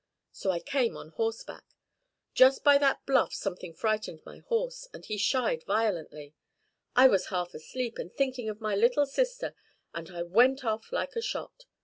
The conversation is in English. So I came on horseback. Just by that bluff something frightened my horse, and he shied violently. I was half asleep and thinking of my little sister, and I went off like a shot.